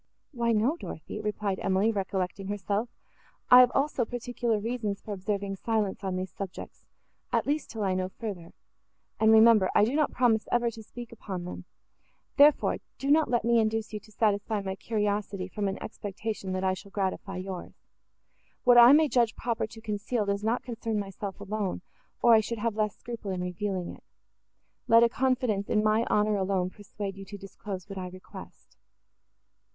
"Why, no, Dorothée," replied Emily, recollecting herself, "I have also particular reasons for observing silence, on these subjects, at least, till I know further; and, remember, I do not promise ever to speak upon them; therefore, do not let me induce you to satisfy my curiosity, from an expectation, that I shall gratify yours. What I may judge proper to conceal, does not concern myself alone, or I should have less scruple in revealing it: let a confidence in my honour alone persuade you to disclose what I request."